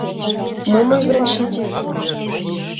Мом ойгырен шинчет?..